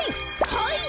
はい！